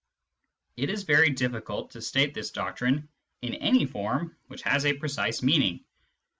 It is very difficult to state this doctrine in any form which has a precise meaning.